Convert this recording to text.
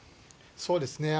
そうですね。